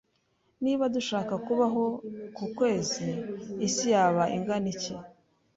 Niba dushaka kubaho ku kwezi, isi yaba ingana iki?